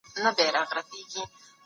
ميرحيدر کندهارى ملا عبدالسلام اخند